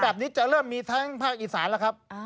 แบบนี้จะเริ่มมีทั้งภาคอีสานแล้วครับ